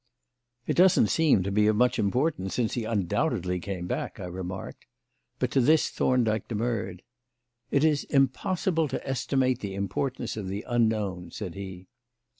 "It doesn't seem to be of much importance, since he undoubtedly came back," I remarked; but to this Thorndyke demurred. "It is impossible to estimate the importance of the unknown," said he.